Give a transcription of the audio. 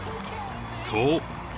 ［そう。